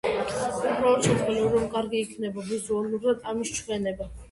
უბრალოდ, ჩავთვალე, რომ კარგი იქნებოდა ვიზუალურად ამის ჩვენება.